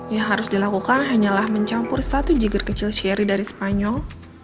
yang harus dilakukan hanyalah mencampur satu jiger kecil sherry dari spanyol